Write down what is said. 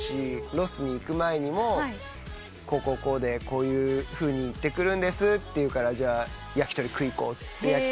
ロスに行く前にも「こうこうこうでこういうふうに行ってくるんです」と言うから焼き鳥食い行こうって焼き鳥食べに行って。